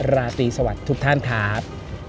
ราตรีสวัสดีทุกท่านครับ